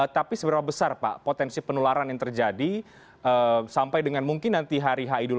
tapi seberapa besar pak potensi penularan yang terjadi sampai dengan mungkin nanti hari haidul fitri